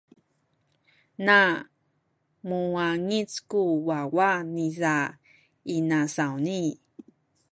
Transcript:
na muwangic ku wawa niza inasawni.